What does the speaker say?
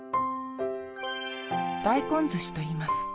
大根ずしといいます。